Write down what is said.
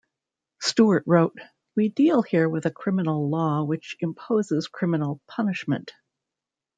Stewart wrote, We deal here with a criminal law which imposes criminal punishment.